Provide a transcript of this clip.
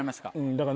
だから。